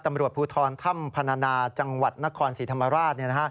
ตำรวจภูทรถ้ำพนานาจังหวัดนครศรีธรรมราช